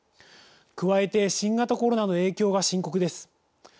加えて、新型コロナの影響が深刻です。